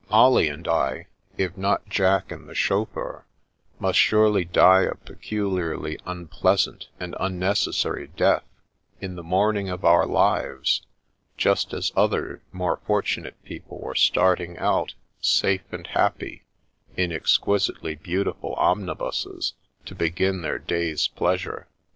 Molly and I, if not Jack and the chauffeur, must surely die a peculiarly unpleasant and unnecessary death, in the morning of our lives, just as other more fortunate people were starting out, safe and happy in exquisitely beautiful omni buses, to begin their day's pleasure.